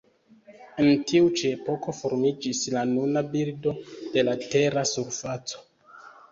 En tiu ĉi epoko formiĝis la nuna bildo de la Tera surfaco.